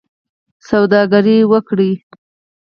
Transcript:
سوداګري وکړئ